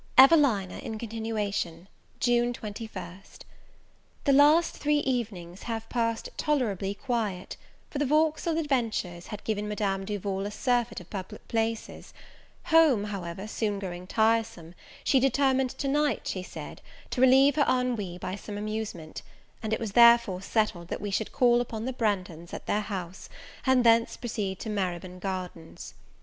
EVELINA IN CONTINUATION. June 21st. THE last three evenings have passed tolerably quiet, for the Vauxhall adventures had given Madame Duval a surfeit of public places: home, however, soon growing tiresome, she determined to night, she said, to relieve her ennui by some amusement; and it was therefore settled, that we should call upon the Branghtons at their house, and thence proceed to Marybone Gardens.